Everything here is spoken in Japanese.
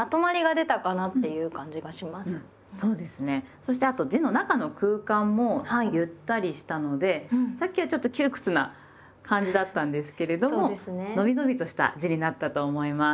そしてあと字の中の空間もゆったりしたのでさっきはちょっと窮屈な感じだったんですけれどものびのびとした字になったと思います。